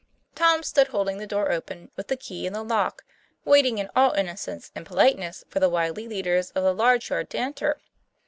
Tom stood holding the door open, with the key in the lock, waiting in all innocence and politeness for the wily leaders of the large yard to enter.